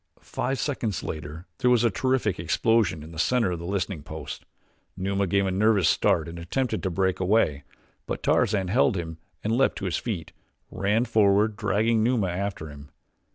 Five seconds later there was a terrific explosion in the center of the listening post. Numa gave a nervous start and attempted to break away; but Tarzan held him and, leaping to his feet, ran forward, dragging Numa after him.